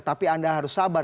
tapi anda harus sabar